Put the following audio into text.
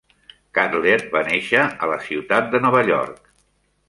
Cutler va néixer a la ciutat de Nova York.